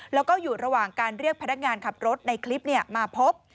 แล้วก็อยู่ระหว่างการเรียกพนักงานขับรถในคลิปมาพบ